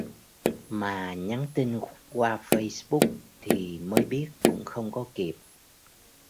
Mà nhắn tin qua Facebook thì mới biết cũng không có kịp